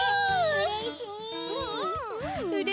うれしいね！